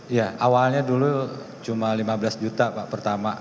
iya awalnya dulu cuma lima belas juta pak pertama